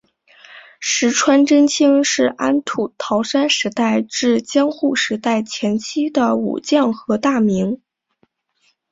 石川贞清是安土桃山时代至江户时代前期的武将和大名。